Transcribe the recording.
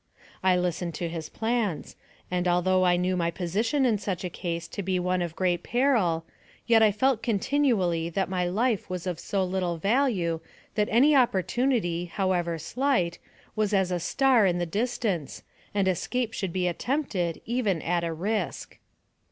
I listened to his plans, and although I knew my po sition in such a case to be one of great peril, yet I felt continually that my life was of so little value that any opportunity, however slight, was as a star in the dis tance, and escape should be attempted, even at a rsk.